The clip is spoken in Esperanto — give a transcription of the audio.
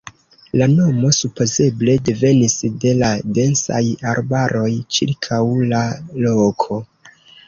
La nomo supozeble devenis de la densaj arbaroj ĉirkaŭ la loko.